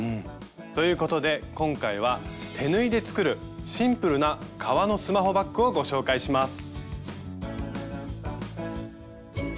ということで今回は手縫いで作るシンプルな革のスマホバッグをご紹介します。